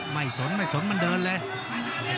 สนไม่สนมันเดินเลย